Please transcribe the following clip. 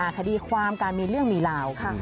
คดีความการมีเรื่องมีราว